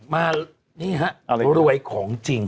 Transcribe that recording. มานี่ครับรวยของจริง